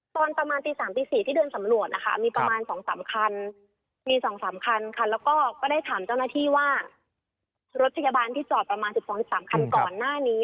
ตอนประมาณตี๓ตี๔ที่เดินสำรวจนะคะมีประมาณ๒๓คันมี๒๓คันค่ะแล้วก็ได้ถามเจ้าหน้าที่ว่ารถพยาบาลที่จอดประมาณ๑๒๑๓คันก่อนหน้านี้